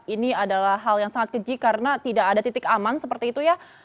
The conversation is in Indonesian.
ini adalah hal yang sangat keji karena tidak ada titik aman seperti itu ya